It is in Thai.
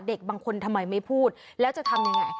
เด็กบางคนทำไมไม่พูดแล้วจะทำยังไง